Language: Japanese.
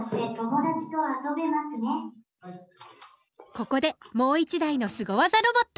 ここでもう一台のすご技ロボット！